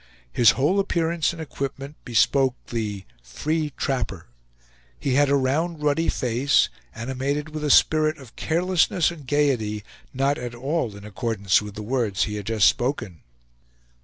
His whole appearance and equipment bespoke the "free trapper." He had a round ruddy face, animated with a spirit of carelessness and gayety not at all in accordance with the words he had just spoken.